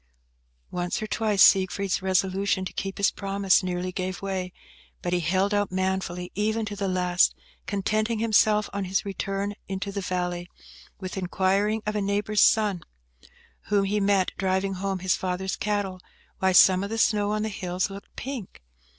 Once or twice Siegfried's resolution to keep his promise nearly gave way, but he held out manfully even to the last, contenting himself, on his return into the valley, with inquiring of a neighbour's son, whom he met driving home his father's cattle, why some of the snow on the hills looked pink?